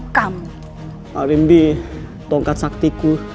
aku harus merebut kembali tongkat saktiku